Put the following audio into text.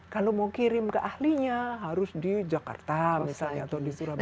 kalau mau kirim ke ahlinya harus di jakarta misalnya atau di surabaya